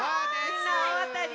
みんなおおあたり！